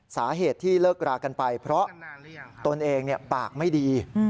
สาเหตุที่เลิกรากันไปเพราะตนเองปากไม่ดี